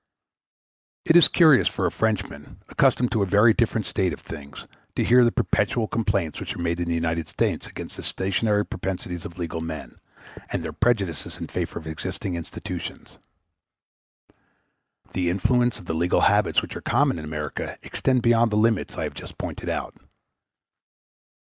It is curious for a Frenchman, accustomed to a very different state of things, to hear the perpetual complaints which are made in the United States against the stationary propensities of legal men, and their prejudices in favor of existing institutions. The influence of the legal habits which are common in America extends beyond the limits I have just pointed out.